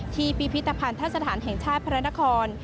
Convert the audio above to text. ที่ปริพิตภัณฑ์ท่าสถานแห่งชาติพระนคร